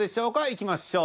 いきましょう。